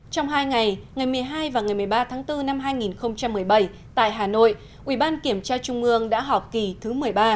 trong hai ngày ngày một mươi hai và ngày một mươi ba tháng bốn năm hai nghìn một mươi bảy tại hà nội ủy ban kiểm tra trung ương đã họp kỳ thứ một mươi ba